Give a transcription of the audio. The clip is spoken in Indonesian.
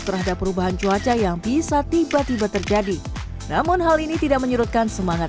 terhadap perubahan cuaca yang bisa tiba tiba terjadi namun hal ini tidak menyerutkan semangat